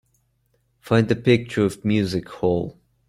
Find a picture of Music Hole